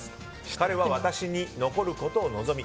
彼は私に残ることを望み